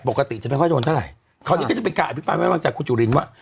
ปกติจะไม่ค่อยโดนเท่าไหร่คราวนี้ก็จะเป็นการอภิปรายไม่วางจากคุณจุลินว่า